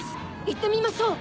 いってみましょう。